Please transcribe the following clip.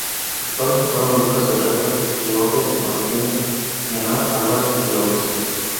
Sus padres fueron Lucas Herrera y Obes Martínez y Ana Álvarez y Obes.